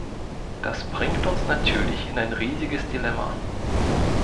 Das bringt uns natürlich in ein riesiges Dilemma.